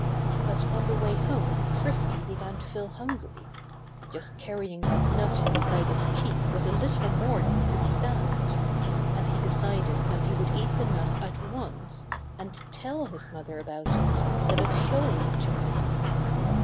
But on the way home Frisky began to feel hungry. Just carrying that nut inside his cheek was a little more than he could stand. And he decided that he would eat the nut at once, and tell his mother about it, instead of showing it to her.